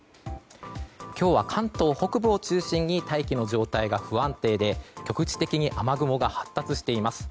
今日は関東北部を中心に大気の状態が不安定で局地的に雨雲が発達しています。